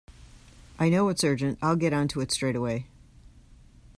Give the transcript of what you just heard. I know it's urgent; I’ll get on to it straight away